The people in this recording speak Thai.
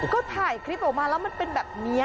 ก็ถ่ายคลิปออกมาแล้วมันเป็นแบบนี้